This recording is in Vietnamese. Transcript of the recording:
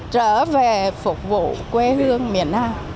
trở về phục vụ quê hương miền nam